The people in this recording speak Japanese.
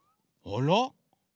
あら？